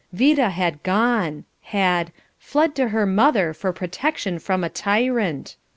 Vida had gone! Had "fled to her mother for protection from a tyrant."